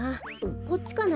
こっちかな？